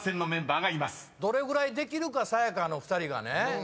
どれぐらいできるかさや香の２人がね。